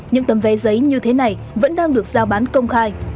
những tấm vé giấy như thế này vẫn đang được giao bán công khai